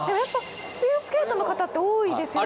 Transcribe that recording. スピードスケートの方って多いですよね。